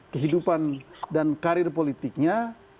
kehidupan dan karir politiknya